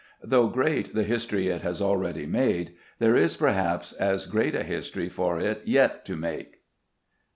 Though great the history it has already made, there is perhaps as great a history for it yet to make.